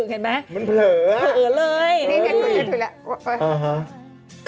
โอเคโอเคโอเค